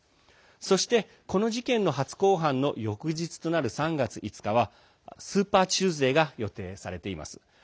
そして、この事件の初公判の翌日となる３月５日はスーパーチューズデーが予定されています。